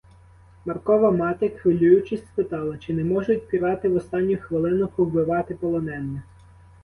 Маркова мати, хвилюючись, спитала, чи не можуть пірати в останню хвилину повбивати полонених?